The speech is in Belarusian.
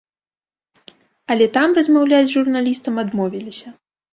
Але там размаўляць з журналістам адмовіліся.